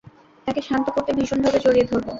তাকে শান্ত করতে ভীষণভাবে জড়িয়ে ধরব।